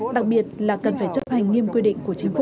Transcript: đặc biệt là cần phải chấp hành nghiêm quy định của chính phủ